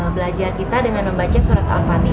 belajar kita dengan membaca surat al fatih